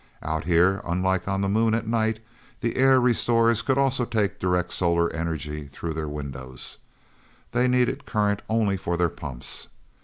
Out here, unlike on the Moon at night, the air restorers could also take direct solar energy through their windows. They needed current only for their pumps.